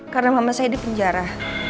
karena mama saya di penjara